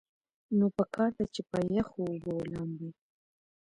نو پکار ده چې پۀ يخو اوبو لامبي -